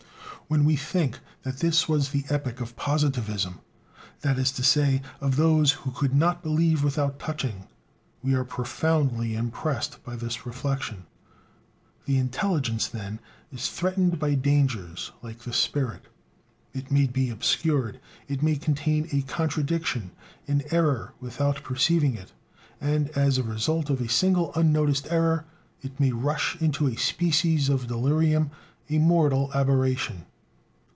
When we think that this was the epoch of positivism that is to say, of those who could not believe without touching, we are profoundly impressed by this reflection: The intelligence, then, is threatened by dangers, like the spirit. It may be obscured, it may contain a contradiction, an "error," without perceiving it, and as a result of a single unnoticed error it may rush into a species of delirium, a mortal aberration.